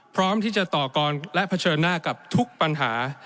พร้อมที่จะต่อกรและเผชิญหน้ากับทุกปัญหา